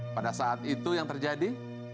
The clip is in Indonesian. pada saat itu yang terjadi